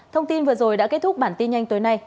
thông tin vừa rồi đã kết thúc bản tin nhanh tối nay